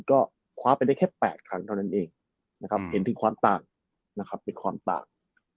ก็คว้าไปได้แค่๘ครั้งเท่านั้นเองเห็นถึงความต่าง